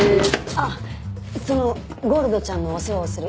あっそのゴールドちゃんのお世話をする犬係です。